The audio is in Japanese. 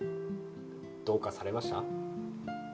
どうかされました？